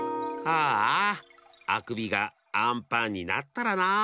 ああくびがあんパンになったらなあ。